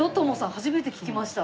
初めて聞きました。